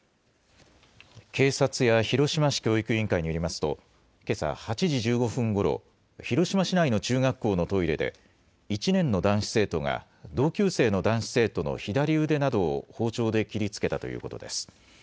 警察や広島市教育委員会によりますと、けさ８時１５分ごろ、広島市内の中学校のトイレで、１年の男子生徒が、同級生の男子生徒の左腕などを包丁で切りつけたということです。